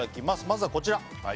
まずはこちら